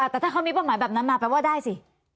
แต่ถ้าเขามีเป้าหมายแบบนั้นมาแปลว่าได้สิ